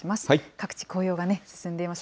各地、紅葉が進んでいます。